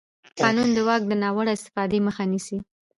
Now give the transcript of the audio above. قانون د واک د ناوړه استفادې مخه نیسي.